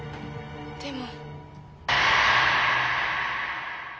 でも。